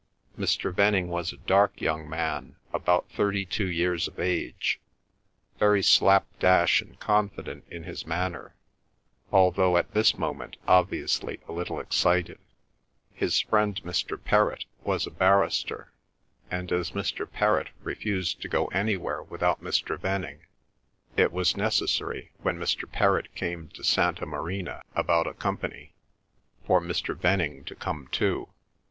Mr. Venning was a dark young man, about thirty two years of age, very slapdash and confident in his manner, although at this moment obviously a little excited. His friend Mr. Perrott was a barrister, and as Mr. Perrott refused to go anywhere without Mr. Venning it was necessary, when Mr. Perrott came to Santa Marina about a Company, for Mr. Venning to come too.